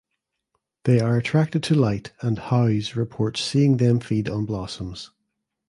They are attracted to light and Howes reports seeing them feed on blossoms.